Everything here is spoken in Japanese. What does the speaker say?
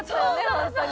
ホントに。